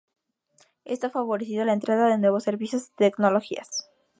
Esto ha favorecido la entrada de nuevos servicios y tecnologías.